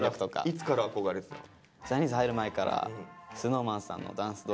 いつから憧れてたの？